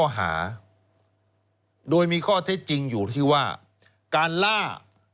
ข้อหาโดยมีข้อเท็จจริงอยู่ที่ว่าการล่า